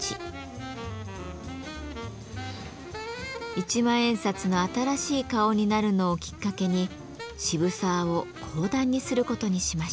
一万円札の新しい顔になるのをきっかけに渋沢を講談にすることにしました。